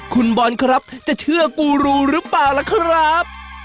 คุณบอลครับจะเชื่อกูรูหรือเปล่าล่ะครับ